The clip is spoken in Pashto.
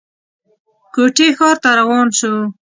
کوټې ښار ته روان شو.